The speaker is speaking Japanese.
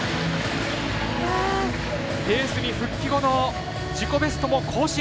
レースに復帰後の自己ベストも更新。